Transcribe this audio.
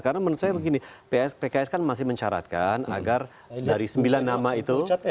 karena menurut saya begini pks kan masih mencaratkan agar dari sembilan nama itu